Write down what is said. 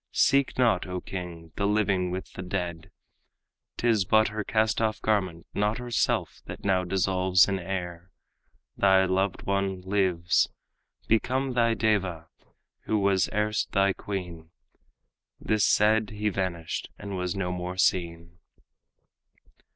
Seek not, O king, the living with the dead! 'Tis but her cast off garment, not herself, That now dissolves in air. Thy loved one lives, Become thy deva, who was erst thy queen." This said, he vanished, and was no more seen.